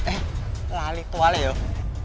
eh lali itu wale yuk